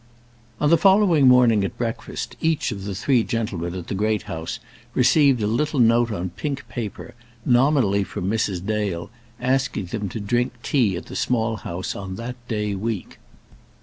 On the following morning at breakfast each of the three gentlemen at the Great House received a little note on pink paper, nominally from Mrs. Dale, asking them to drink tea at the Small House on that day week.